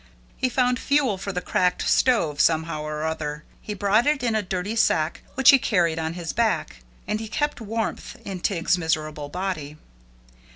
He found fuel for the cracked stove, somehow or other. He brought it in a dirty sack which he carried on his back, and he kept warmth in Tig's miserable body.